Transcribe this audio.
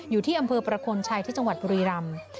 อยู่ที่อำเภอประคลชัยที่จังหวัดบุรีรำ